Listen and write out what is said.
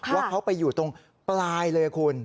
ว่าเขาไปอยู่ตรงปลายเลยคุณ